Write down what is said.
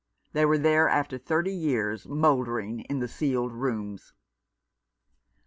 They were there after thirty years, mouldering in the sealed rooms.